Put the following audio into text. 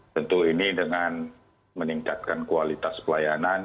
tentu ini dengan meningkatkan kualitas pelayanan